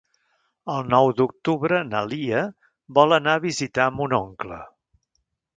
El nou d'octubre na Lia vol anar a visitar mon oncle.